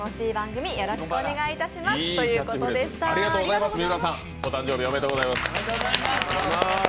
みうらさん、お誕生日おめでとうございます。